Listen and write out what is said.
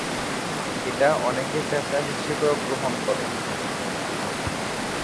এটা অনেকে পেশা হিসেবেও গ্রহণ করে।